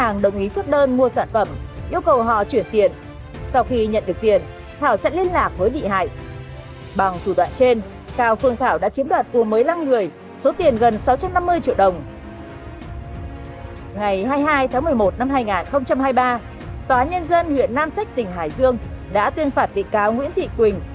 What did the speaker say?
ngày hai mươi hai tháng một mươi một năm hai nghìn hai mươi ba tòa nhân dân huyện nam sách tỉnh hải dương đã tuyên phạt vị cáo nguyễn thị quỳnh